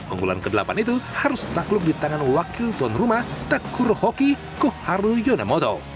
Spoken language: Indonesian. unggulan ke delapan itu harus takluk di tangan wakil tuan rumah takuro hoki koharu yonamoto